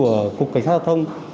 của cục cảnh sát giao thông